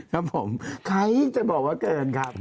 ครับผมใครจะบอกว่าเกินครับ